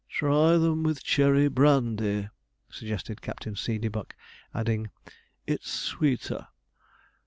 'Try them with cherry brandy,' suggested Captain Seedeybuck; adding, 'it's sweeter.